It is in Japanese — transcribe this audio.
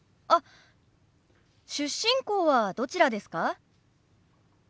あっ出身校はどちらですか？